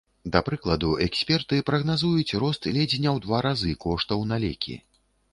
Да прыкладу, эксперты прагназуюць рост ледзь не ў два разы коштаў на лекі.